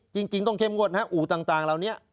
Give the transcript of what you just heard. จริงต้องเข้มงวดฮะอู่ต่างเหล่านี้